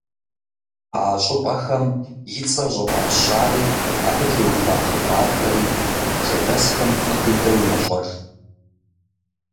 А щӀыпӀэхэм и цӀэр щӀыфӀащари, абы теухуа хъыбархэри къуажэдэсхэм фӀы дыдэу ящӀэж.